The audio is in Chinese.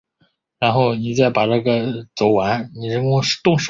喜欢吞噬人类的美食界怪物。